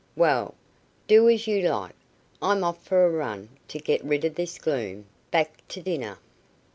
"Well, do as you like. I'm off for a run, to get rid of this gloom. Back to dinner."